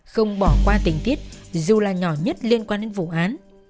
không bỏ qua tình tiết dù là nhỏ nhất liên quan đến vụ án